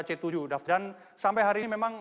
c tujuh dan sampai hari ini memang